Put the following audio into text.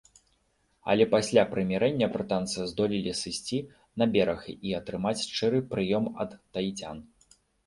Але пасля прымірэння брытанцы здолелі сысці на бераг і атрымаць шчыры прыём ад таіцян.